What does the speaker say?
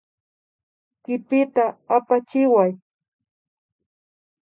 Kipita apachiway